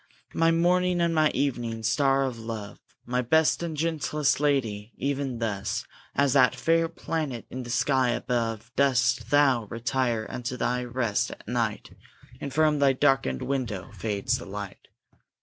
My morning and my evening star of love! My best and gentlest lady! even thus, As that fair planet in the sky above, Dost thou retire unto thy rest at night, And from thy darkened window fades the light.